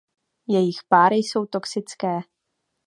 Jejich páry jsou toxické.